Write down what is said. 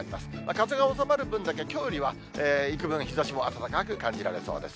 風が収まる分だけ、きょうよりはいくぶん日ざしも暖かく感じられそうです。